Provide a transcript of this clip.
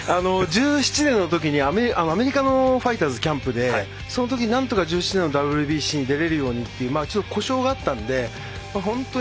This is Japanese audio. １７年のときにアメリカのファイターズのキャンプで、そのときなんとか１７年のＷＢＣに出られるようにっていうちょっと故障があったんで本当